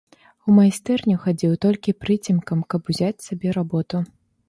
У майстэрню хадзіў толькі прыцемкам, каб узяць сабе работу.